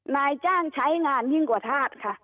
นายจ้างใช้งานยิ่งกว่าธาตุค่ะ